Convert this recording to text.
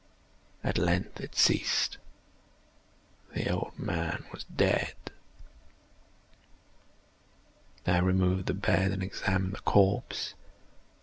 At length it ceased. The old man was dead. I removed the bed and examined the corpse.